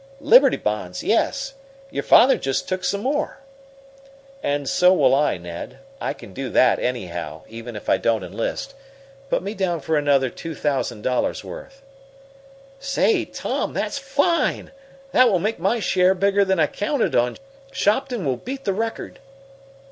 "Liberty Bonds yes. Your father just took some more." "And so will I, Ned. I can do that, anyhow, even if I don't enlist. Put me down for another two thousand dollars' worth." "Say, Tom, that's fine! That will make my share bigger than I counted on. Shopton will beat the record."